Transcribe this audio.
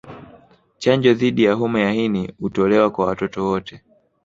Chanjo dhidi ya homa ya ini hutolewa kwa watoto wote